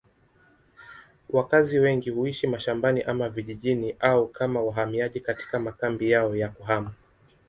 Wakazi wengi huishi mashambani ama vijijini au kama wahamiaji katika makambi yao ya kuhama.